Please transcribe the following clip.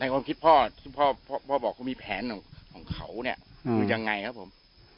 ความคิดพ่อที่พ่อบอกเขามีแผนของเขาเนี่ยอยู่ยังไงครับผม